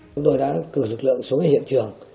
chúng tôi đã cử lực lượng xuống hiện trường